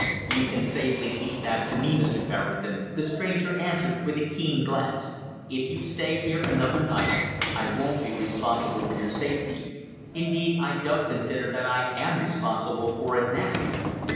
"You can safely leave that to me, Mr. Berrington," the stranger answered, with a keen glance. "If you stay here another night I won't be responsible for your safety indeed, I don't consider that I am responsible for it now.